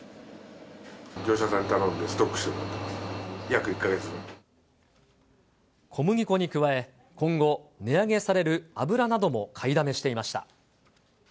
業者さんに頼んでストックし小麦粉に加え、今後、値上げされる油なども買いだめしていました。